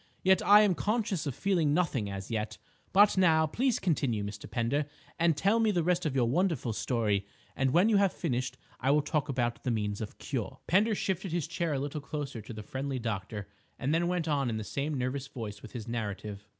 Yet I am conscious of feeling nothing as yet. But now, please continue, Mr. Pender, and tell me the rest of your wonderful story; and when you have finished, I will talk about the means of cure." Pender shifted his chair a little closer to the friendly doctor and then went on in the same nervous voice with his narrative.